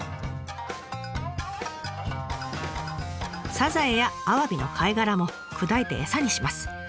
サザエやアワビの貝殻も砕いて餌にします。